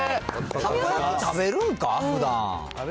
食べるんか、ふだん。